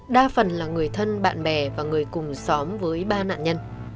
đa phần là người thân bạn bè và người cùng xóm với ba nạn nhân